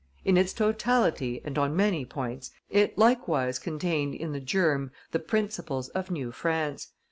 In its totality and on many points it likewise contained in the germ the principles of new France.